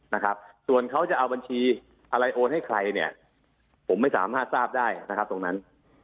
นะครับส่วนเขาจะเอาบัญชีอะไรโอนให้ใครเนี่ยผมไม่สามารถทราบได้นะครับตรงนั้น